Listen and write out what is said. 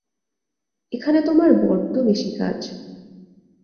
এখানে তোমার বড্ড বেশি কাজ।